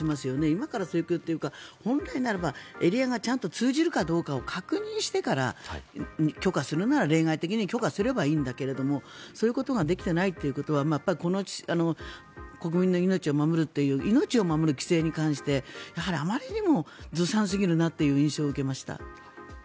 今からするというか本来ならばエリアがちゃんと通じるのかを確認してから、許可するなら例外的に許可すればいいんだけどそういうことができていないということは国民の命を守るという命を守る規制に関してあまりにもずさんすぎるなという印象を受けました。